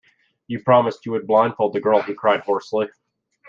"You promised you would blindfold the girl," he cried hoarsely.